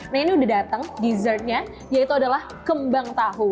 nah ini udah dateng dessertnya yaitu adalah kembang tahu